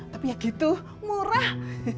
tapi ya gitu murah